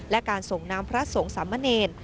และการส่งน้ำพระสงสำเนร